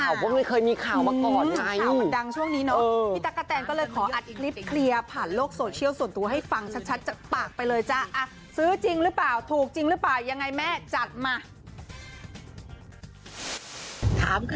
ว่าไม่เคยมีข่าวมาก่อนนะข่าวมันดังช่วงนี้เนาะพี่ตั๊กกะแตนก็เลยขออัดคลิปเคลียร์ผ่านโลกโซเชียลส่วนตัวให้ฟังชัดจากปากไปเลยจ้ะซื้อจริงหรือเปล่าถูกจริงหรือเปล่ายังไงแม่จัดมา